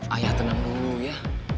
ayah tenang dulu ya